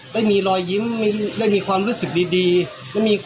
ได้มีรอยยิ้มได้มีความรู้สึกดี